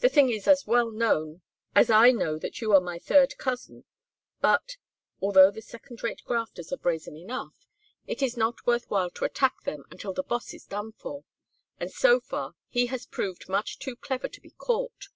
The thing is as well known as I know that you are my third cousin, but, although the second rate grafters are brazen enough, it is not worth while to attack them until the Boss is done for, and so far he has proved much too clever to be caught.